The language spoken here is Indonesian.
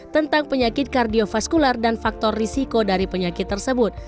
tentang penyakit kardiofaskular dan faktor risiko dari penyakit tersebut